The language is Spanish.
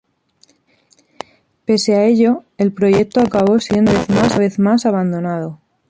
Pese a ello, el proyecto acabó siendo una vez más abandonado.